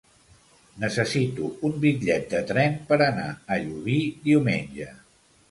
Necessito un bitllet de tren per anar a Llubí diumenge.